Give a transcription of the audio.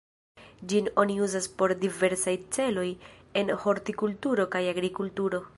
Ĝin oni uzas por diversaj celoj en hortikulturo kaj agrikulturo.